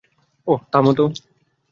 ওহ, থামো তো।